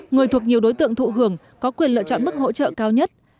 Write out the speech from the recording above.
người thuộc nhiều đối tượng thụ hưởng có quyền lựa chọn mức hỗ trợ cao nhất